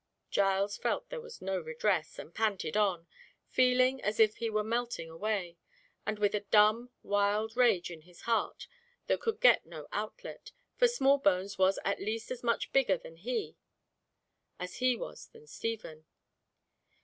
Giles felt there was no redress, and panted on, feeling as if he were melting away, and with a dumb, wild rage in his heart, that could get no outlet, for Smallbones was at least as much bigger than he as he was than Stephen.